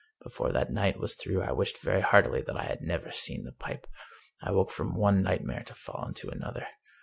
Before that night was through I wished very heartily that I had never seen the pipe! I woke from one nightmare to fall into another.